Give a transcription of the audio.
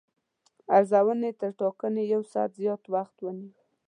ارزونې تر ټاکلي یو ساعت زیات وخت ونیو.